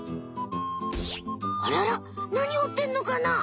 あらら何ほってんのかな？